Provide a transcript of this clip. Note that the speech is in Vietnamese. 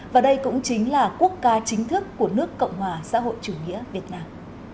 và đây cũng chính là quốc ca chính thức của nước cộng hòa xã hội chủ nghĩa việt nam